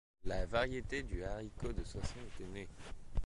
La variété du haricot de Soissons était née.